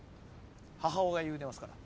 母親が言うてますから。